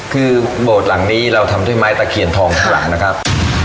คือโบสถ์หลังนี้เราทำด้วยไม้ตะเคียนทองข้างหลังนะครับ